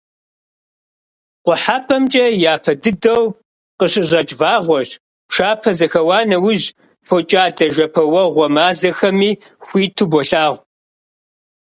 КъухьэпӀэмкӀэ япэ дыдэу къыщыщӀэкӀ вагъуэщ, пшапэ зэхэуа нэужь, фокӀадэ-жэпуэгъуэ мазэхэми хуиту болъагъу.